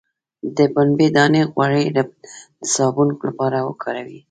د پنبې دانه غوړي د صابون لپاره وکاروئ